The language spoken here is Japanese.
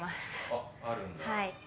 あっあるんだ。